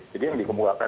jadi yang dikembangkan